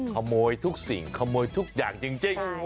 ขโมยทุกสิ่งขโมยทุกอย่างจริง